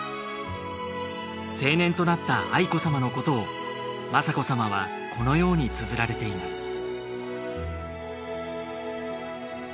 成年となった愛子さまのことを雅子さまはこのようにつづられています